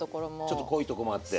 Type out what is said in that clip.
ちょっと濃いとこもあって。